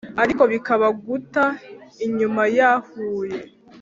ariko bikaba guta inyuma ya huye!